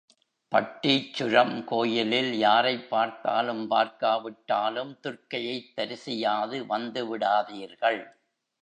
பட்டீச்சுரம் கோயிலில் யாரைப் பார்த்தாலும் பார்க்காவிட்டாலும் துர்க்கையைத் தரிசியாது வந்து விடாதீர்கள்.